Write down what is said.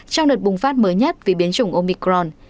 trong đợt bùng phát mới nhất vì biến chủng omicron